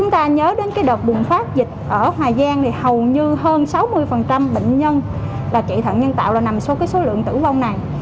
nhớ đến cái đợt bùng phát dịch ở hòa giang thì hầu như hơn sáu mươi bệnh nhân là chạy thận nhân tạo là nằm sau cái số lượng tử vong này